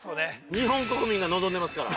日本国民が望んでますから。